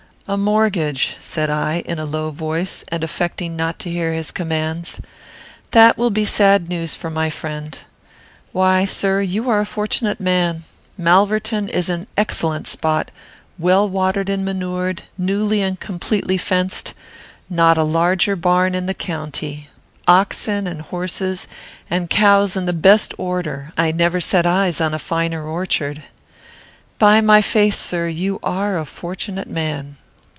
"A mortgage," said I, in a low voice, and affecting not to hear his commands; "that will be sad news for my friend. Why, sir, you are a fortunate man. Malverton is an excellent spot; well watered and manured; newly and completely fenced; not a larger barn in the county; oxen and horses and cows in the best order; I never set eyes on a finer orchard. By my faith, sir, you are a fortunate man.